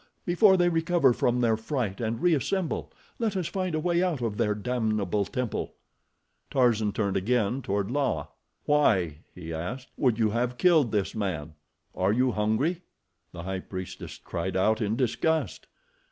Before they recover from their fright and reassemble, let us find a way out of their damnable temple." Tarzan turned again toward La. "Why," he asked, "would you have killed this man? Are you hungry?" The High Priestess cried out in disgust.